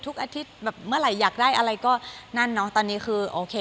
อาทิตย์แบบเมื่อไหร่อยากได้อะไรก็นั่นเนอะตอนนี้คือโอเค